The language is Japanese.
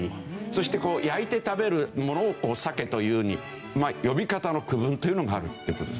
そしてこう焼いて食べるものを鮭というように呼び方の区分というのがあるって事ですね。